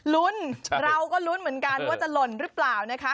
ลุ้นเราก็ลุ้นเหมือนกันว่าจะหล่นหรือเปล่านะคะ